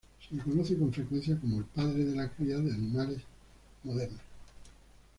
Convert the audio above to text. Se le conoce con frecuencia como el padre de la cría de animales moderna.